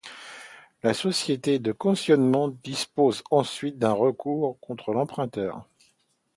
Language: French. La société de cautionnement dispose ensuite d'un recours contre l'emprunteur.